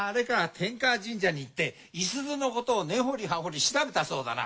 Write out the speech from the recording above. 天河神社に行って五十鈴のことを根掘り葉掘り調べたそうだな。